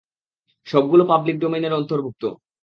সবগুলো পাবলিক ডোমেইনের অন্তর্ভুক্ত।